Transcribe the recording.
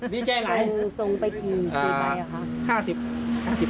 นี่ใจไหนครับส่งไปกี่ใบครับ